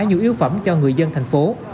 nhu yếu phẩm cho người dân thành phố